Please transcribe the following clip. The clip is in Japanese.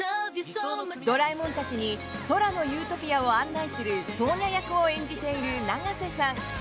ドラえもんたちに空のユートピアを案内するソーニャ役を演じている永瀬さん。